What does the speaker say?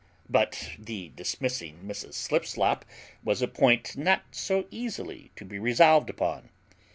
But the dismissing Mrs Slipslop was a point not so easily to be resolved upon.